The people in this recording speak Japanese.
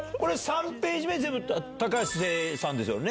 ３ページ目全部高橋さんですよね。